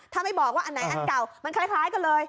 ถ้าไม่บอกว่าอันไหนอันเก่ามันคล้ายกันเลย